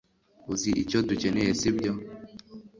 Uzi icyo dukeneye sibyo